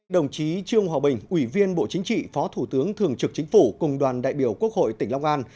đồng chí trương hòa bình ủy viên bộ chính trị phó thủ tướng thường trực chính phủ cùng đoàn đại biểu quốc hội tỉnh long an